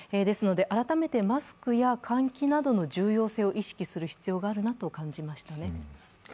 ですので、改めてマスクや換気などの重要性を意識する必要があるなと感じましたね。